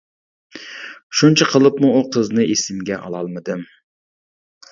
شۇنچە قىلىپمۇ ئۇ قىزنى ئېسىمگە ئالالمىدىم.